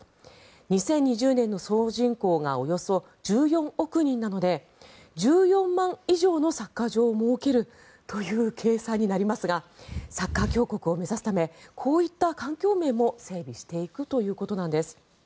２０２０年の総人口がおよそ１４億人なので１４万以上のサッカー場を設けるという計算になりますがサッカー強国を目指すためこういった環境面も整備していくということです。